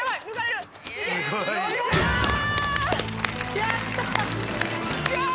やったー